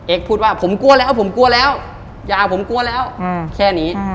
พูดว่าผมกลัวแล้วผมกลัวแล้วอย่าผมกลัวแล้วแค่นี้